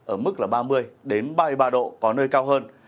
ở mức là ba mươi ba mươi ba độ có nơi cao hơn